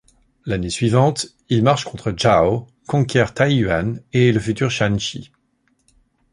L'année suivante, il marche contre Zhao, conquiert Taiyuan et le futur Shanxi.